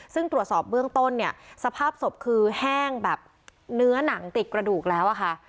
ซึ่งตรวจสอบเบื้องต้นเนี่ยสภาพศพคือแห้งแบบเนื้อหนังติดกระดูกแล้วอะค่ะ